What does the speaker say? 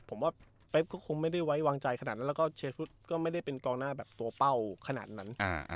ผมว่าเป๊บก็คงไม่ได้ไว้วางใจขนาดนั้นแล้วก็เชฟชุดก็ไม่ได้เป็นกองหน้าแบบตัวเป้าขนาดนั้น